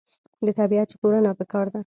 د طبیعت ژغورنه پکار ده.